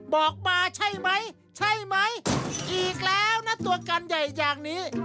บอกมาใช่ไหมใช่ไหมอีกแล้วนะตัวกันใหญ่อย่างนี้